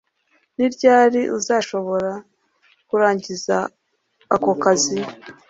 Ni ryari uzashobora kurangiza ako kazi